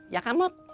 ya kak mut